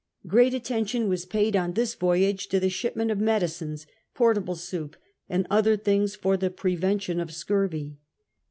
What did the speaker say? Great attention was })aid on this voyage to the shipment of medicines, portable soup, and othca* things for the pre vention of scurvy.